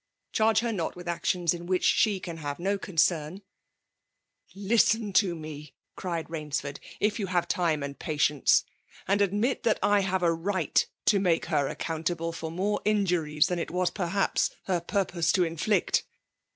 Charge her not with Actions in which &e can hate no concern.*^ • ''listen to me;" cciiod Bainrford, '^ifyo^ Inure tine and palienoe; and admit that I have a tight to make h^ accountable foe more injuries than it wais parhapa her puipoB«^ tD inflict.